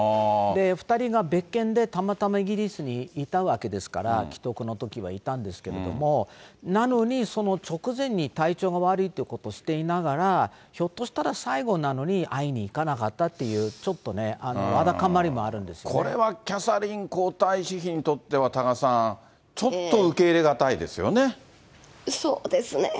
２人が別件でたまたまイギリスにいたわけですから、危篤のときはいたんですけれども、なのに、その直前に体調が悪いということを知っていながら、ひょっとしたら、最後なのに会いに行かなかったっていう、ちょっと、これはキャサリン皇太子妃にとっては、多賀さん、そうですね。